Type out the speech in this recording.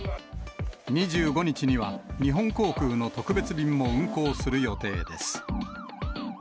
２５日には、日本航空の特別便も運航する予定です。